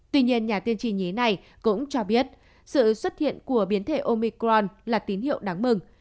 tuy nhiên nhà tiên trì nhí này cũng cho biết sự xuất hiện của biến thể omicron là tín hiệu đáng mừng